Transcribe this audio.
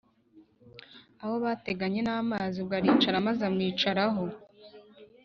aho bateganye n’amazi ubwo aricara maze amwicaraho